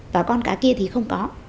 và con cá kia thì không có